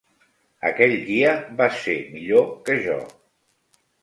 Aquell dia vas ser millor que jo.